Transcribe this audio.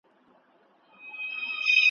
او د هغه ژوند موږ ته دا پیغام راکوي